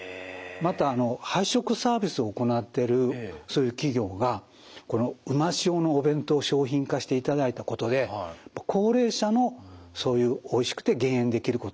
また配食サービスを行ってるそういう企業がこのうま塩のお弁当を商品化していただいたことで高齢者のそういうおいしくて減塩できることにもつながっています。